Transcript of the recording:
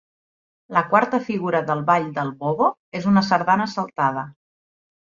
La quarta figura del Ball del Bo-bo és una sardana saltada.